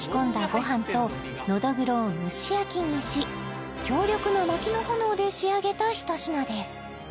ご飯とノドグロを蒸し焼きにし強力な薪の炎で仕上げたひと品です